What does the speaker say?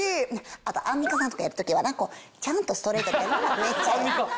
あとアンミカさんとかやる時はなちゃんとストレートでやるのもめっちゃええな。